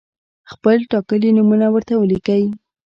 خپل ټاکلي نومونه ورته ولیکئ.